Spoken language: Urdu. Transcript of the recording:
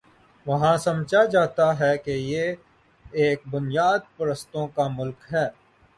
وہاں سمجھا جاتا ہے کہ یہ ایک بنیاد پرستوں کا ملک ہے۔